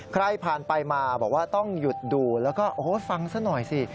ใครผ่านไปมาบอกว่าต้องหยุดดูแล้วก็โอ้โหฟังซะหน่อยสิ